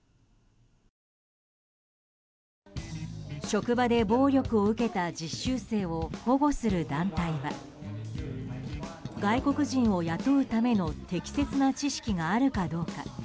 職場で暴力を受けた実習生を保護する団体は外国人を雇うための適切な知識があるかどうか。